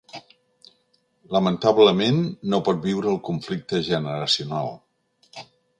Lamentablement, no pot viure el conflicte generacional.